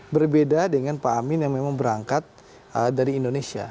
berbeda dengan pak amin yang memang berangkat dari indonesia